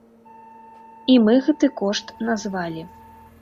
І мы гэты кошт назвалі.